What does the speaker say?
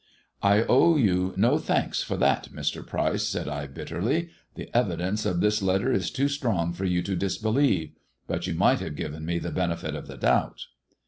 "I owe you no thanks for that, Mr. Pryce," said I bitterly. '*The evidence of this letter is too strong for you to disbelieve ; but you might have given me the benefit of the doubt."